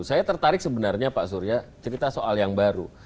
saya tertarik sebenarnya pak surya cerita soal yang baru